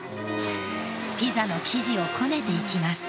ピザの生地をこねていきます。